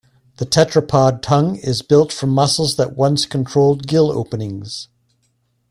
The tetrapod tongue is built from muscles that once controlled gill openings.